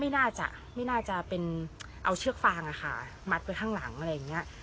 ไม่น่าจะไม่น่าจะเป็นเอาเชือกฟางอะค่ะมัดไว้ข้างหลังอะไรอย่างนี้